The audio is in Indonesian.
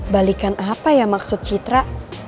balikan apa ya maksud citra